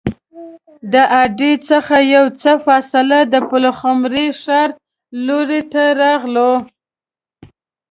د اډې څخه یو څه فاصله د پلخمري ښار لور ته راغلو.